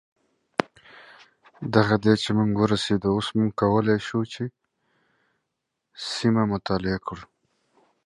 Now that we have landed, we can begin surveying the area.